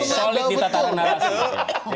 solid di tataran narasi